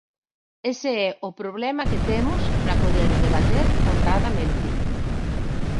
Ese é o problema que temos para poder debater honradamente.